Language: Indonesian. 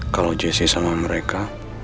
kalau jessy sama mereka